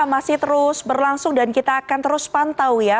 masih terus berlangsung dan kita akan terus pantau ya